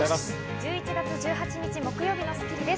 １１月１８日、木曜日の『スッキリ』です。